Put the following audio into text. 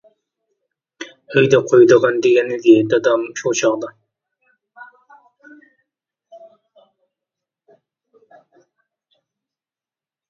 ئۆيدە قويىدىغان، -دېگەنىدى دادام شۇ چاغدا.